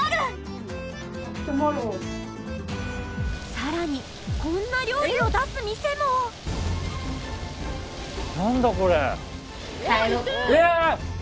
さらにこんな料理を出す店もええっ！